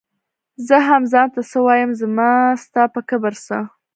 زۀ هم ځان ته څۀ وايم زما ستا پۀ کبر څۀ